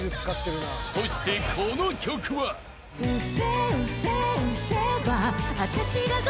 ［そしてこの曲は］いやっ！